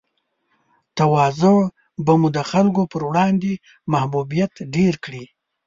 تواضع به مو د خلګو پر وړاندې محبوبیت ډېر کړي